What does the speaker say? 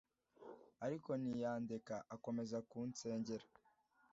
ariko ntiyandeka akomeza kunsengera,